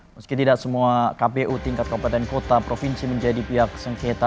meski tidak semua kpu tingkat kabupaten kota provinsi menjadi pihak sengketa